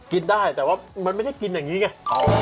กินได้แต่ว่ามันไม่ได้กินอย่างนี้ไง